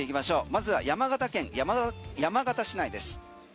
まずは山形県山形市内です。